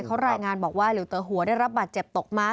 เขารายงานบอกว่าหลิวเตอหัวได้รับบาดเจ็บตกม้า